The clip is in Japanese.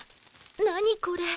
何これ？